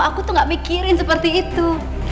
aku tuh gak mikirin seperti itu